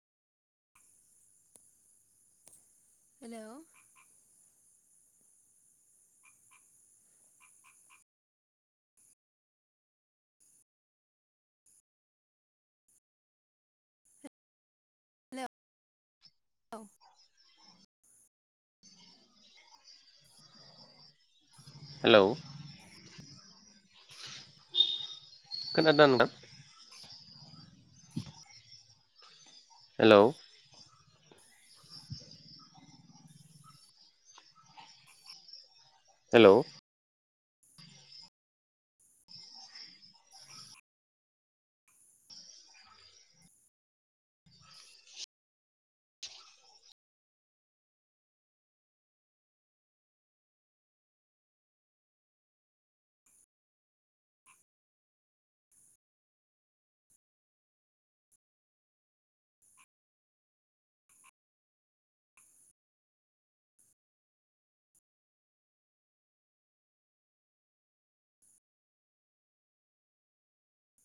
Hello hello [unintelligible] hello खोनादोंना नोंथां? Hello hello